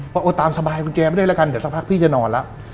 พอตามสบายกุญแจไปด้วยละกันเดี๋ยวสักพักพี่จะนอนละ